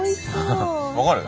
分かる？